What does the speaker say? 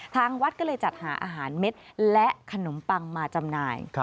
ทางวัดก็เลยจัดหาอาหารเม็ดและขนมปังมาจำหน่าย